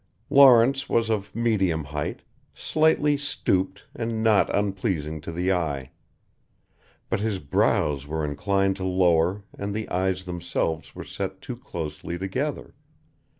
Lawrence was of medium height, slightly stooped and not unpleasing to the eye. But his brows were inclined to lower and the eyes themselves were set too closely together.